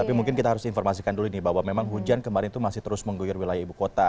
tapi mungkin kita harus informasikan dulu nih bahwa memang hujan kemarin itu masih terus mengguyur wilayah ibu kota